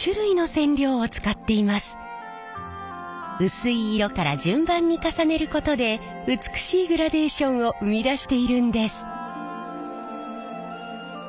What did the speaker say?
薄い色から順番に重ねることで美しいグラデーションを生み出しているんです。